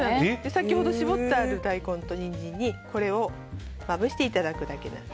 先ほど絞った大根とニンジンにこれをまぶしていただくだけです。